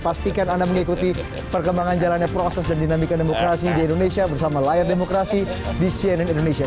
pastikan anda mengikuti perkembangan jalannya proses dan dinamika demokrasi di indonesia bersama layar demokrasi di cnn indonesia